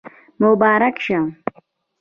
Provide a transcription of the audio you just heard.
مبارک شه